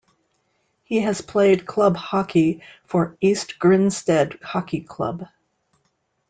He has played club hockey for East Grinstead Hockey Club.